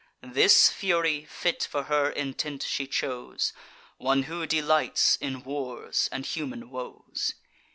This Fury, fit for her intent, she chose; One who delights in wars and human woes.